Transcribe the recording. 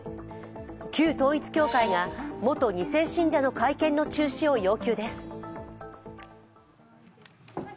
旧統一教会が元２世信者の会見の中止を要求です。